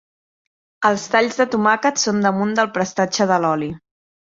Els talls de tomàquet són damunt del prestatge de l'oli.